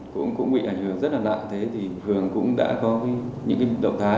cũng bị ảnh hưởng rất là nặng thế thì hường cũng đã có những cái động thái